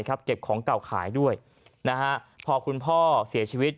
เก็บของเก่าขายด้วยนะฮะพอคุณพ่อเสียชีวิต